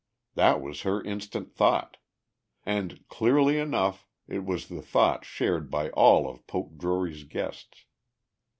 That was her instant thought. And clearly enough it was the thought shared by all of Poke Drury's guests.